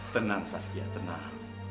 tenang saskia tenang